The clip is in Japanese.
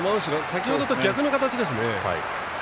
先ほどとは逆の形ですね。